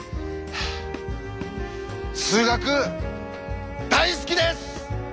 数学大好きです！